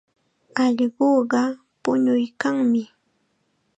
Allquqa puñuykanmi.